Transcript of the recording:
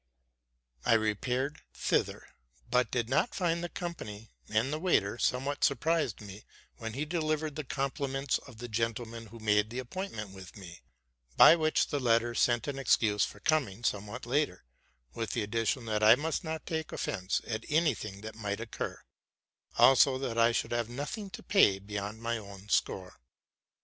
I repaired thither, but did not find the company ; and the waiter somewhat surprised me when he delivered the compli ments of the gentleman who made the appointment with me, by which the latter sent an excuse for coming somewhat later, with the addition that I must not take offence at any thing that might occur; also, that I should have nothing to pay beyond my own score.